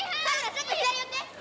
ちょっと左よって！